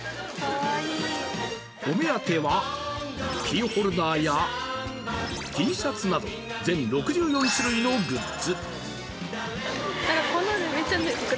お目当ては、キーホルダーやＴシャツなど全６３種類のグッズ。